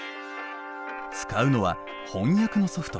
使うのは翻訳のソフト。